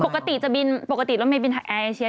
ปกติจะบินปกติเราไม่บินไทยแอเชียร์